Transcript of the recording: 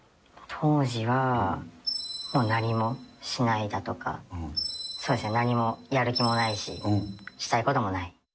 当時はもう何もしないだとか、そうですね、何もやる気もないですし、したいこともない。